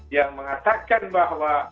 yang mengatakan bahwa